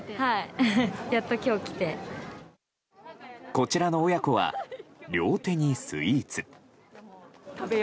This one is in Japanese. こちらの親子は両手にスイーツ。